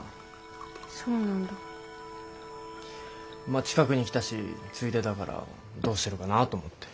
まあ近くに来たしついでだからどうしてるかなと思って。